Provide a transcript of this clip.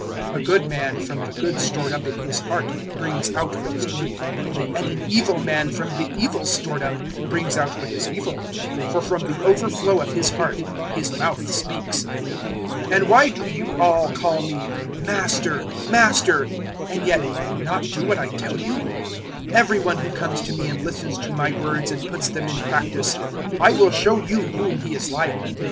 006:045 A good man from the good stored up in his heart brings out what is good; and an evil man from the evil stored up brings out what is evil; for from the overflow of his heart his mouth speaks. 006:046 "And why do you all call me `Master, Master' and yet not do what I tell you? 006:047 Every one who comes to me and listens to my words and puts them in practice, I will show you whom he is like.